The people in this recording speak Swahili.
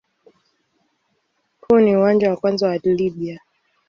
Huu ni uwanja wa kwanza wa Libya.